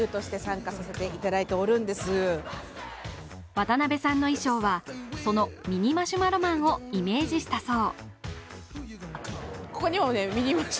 渡辺さんの衣装は、そのミニ・マシュマロマンをイメージしたそう。